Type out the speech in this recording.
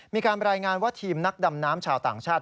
มีการรายงานว่าทีมนักดำน้ำชาวต่างชาติ